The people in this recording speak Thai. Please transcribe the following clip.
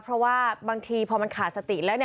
เพราะว่าบางทีพอมันขาดสติแล้ว